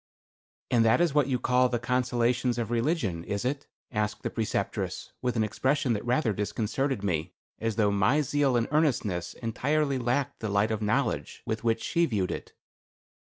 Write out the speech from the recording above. "And that is what you call the consolations of religion, is it?" asked the Preceptress with an expression that rather disconcerted me; as though my zeal and earnestness entirely lacked the light of knowledge with which she viewed it.